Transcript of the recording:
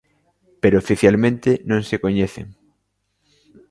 Pero oficialmente non se coñecen.